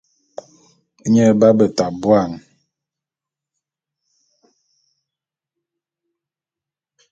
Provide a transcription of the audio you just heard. Nye b'abeta buan.